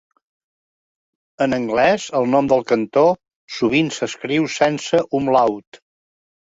En anglès el nom del cantó sovint s'escriu sense umlaut.